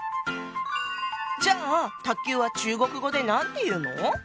じゃあ卓球は中国語で何て言うの？